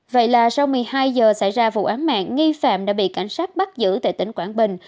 vậy là sau một mươi hai giờ xảy ra vụ án mạng nghi phạm đã bị cảnh sát bắt giữ tại tỉnh quảng bình